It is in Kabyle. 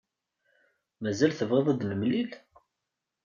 Mazal tebɣiḍ ad nemlil?